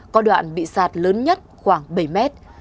có đoạn bị sạt lớn nhất khoảng bảy mét